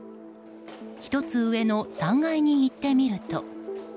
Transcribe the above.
１つ上の３階に行ってみると。